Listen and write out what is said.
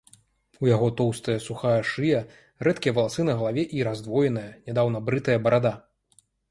У яго тоўстая, сухая шыя, рэдкія валасы на галаве і раздвоеная, нядаўна брытая барада.